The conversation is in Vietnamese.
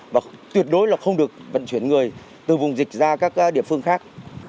và tuyệt đối là không được vận chuyển người từ vùng dịch ra các địa phương khác